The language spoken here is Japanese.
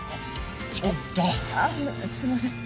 ちょっとあすいません